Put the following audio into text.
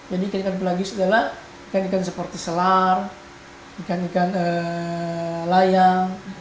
jadi ikan ikan pelagis adalah ikan ikan seperti selar ikan ikan layang